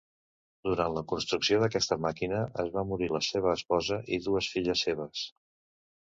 Durant la construcció d'aquesta màquina es va morir la seva esposa i dues filles seves.